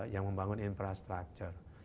yang membangun infrastructure